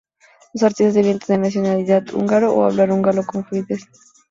Los artistas debían tener nacionalidad húngara o hablar húngaro con fluidez.